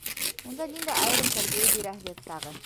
Унда ниндәй айырым тәрбиә бирәһегеҙ тағы?